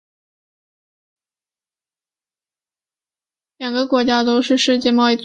两个国家都是世界贸易组织的正式成员。